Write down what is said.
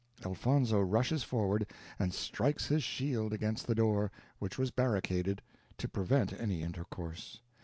Elfonzo rushes forward and strikes his shield against the door, which was barricaded, to prevent any intercourse.